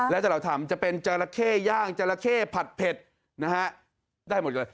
แล้วถ้าเราทำจะเป็นจราเข้ย่างจราเข้ผัดเผ็ดนะฮะได้หมดเลย